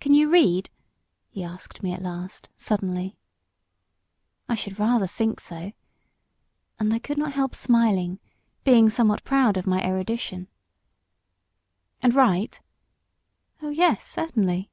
"Can you read?" he asked me at last, suddenly. "I should rather think so." And I could not help smiling, being somewhat proud of my erudition. "And write?" "Oh, yes; certainly."